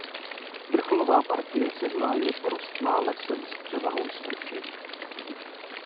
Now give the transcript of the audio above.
Vrcholová partie sedla je porostlá lesem s převahou smrčin.